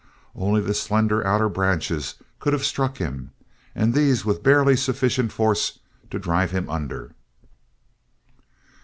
Only the slender outer branches could have struck him, and these with barely sufficient force to drive him under.